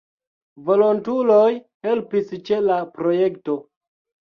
Volontuloj helpis ĉe la projekto.